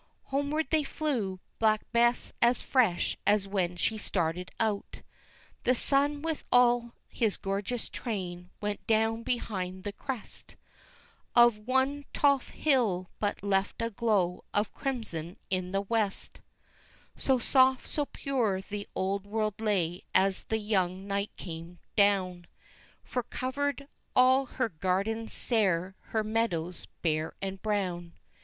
Homeward they flew, Black Bess as fresh as when she started out; The sun with all his gorgeous train went down behind the crest Of one tall hill, but left a glow of crimson in the west, So soft, so pure, the old world lay as the young night came down, For covered all her gardens sere, her meadows bare and brown.